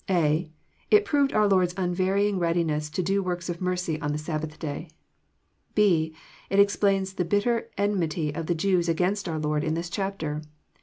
^ (a) It proved our Lord's unvarying readiness to do works of mercy on the Sabbath day. ^, (b) It explains the bitter enmity of the Jews against our Lord in this chapter.